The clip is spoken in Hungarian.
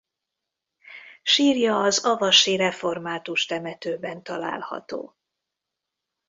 Sírja az avasi református temetőben található.